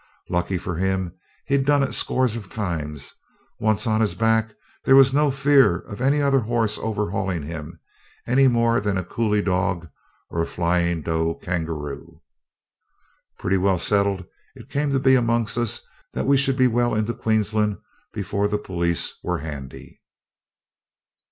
Lucky for him, he'd done it scores of times; once on his back there was no fear of any other horse overhauling him, any more than a coolie dog or a flying doe kangaroo. Pretty well settled it came to be amongst us that we should be well into Queensland before the police were handy.